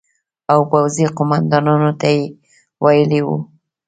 او پوځي قومندانانو ته یې وویل چې